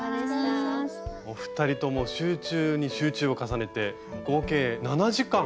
お二人とも集中に集中を重ねて合計７時間。